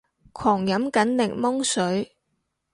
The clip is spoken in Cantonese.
狂飲緊檸檬水